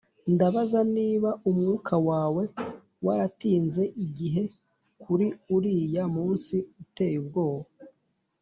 ndabaza niba umwuka wawe waratinze igihe kuri uriya munsi uteye ubwoba